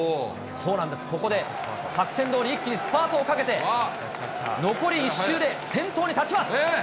ここで作戦どおり、一気にスパートをかけて、残り１周で先頭に立ちます。